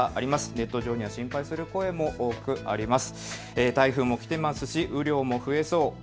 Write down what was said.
ネット上には心配する声も多くあります。